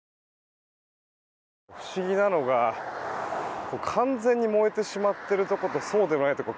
不思議なのが、完全に燃えてしまっているところとそうではないところ。